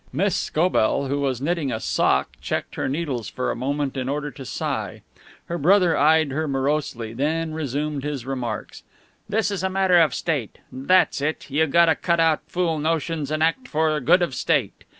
Miss Scobell, who was knitting a sock, checked her needles for a moment in order to sigh. Her brother eyed her morosely, then resumed his remarks. "This is a matter of state. That's it. You gotta cut out fool notions and act for good of state.